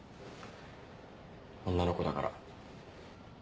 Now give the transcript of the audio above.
女の子だから。